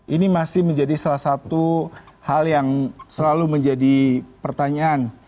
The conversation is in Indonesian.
ini masih menjadi salah satu hal yang selalu menjadi pertanyaan